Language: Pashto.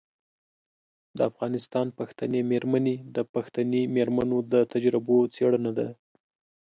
د افغانستان پښتنې میرمنې د پښتنې میرمنو د تجربو څیړنه ده.